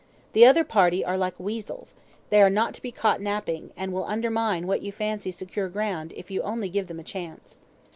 The other party are like weasels they are not to be caught napping; and will undermine what you fancy secure ground, if you only give them a chance."